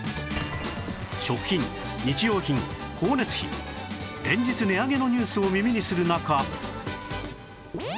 食品日用品光熱費連日値上げのニュースを耳にする中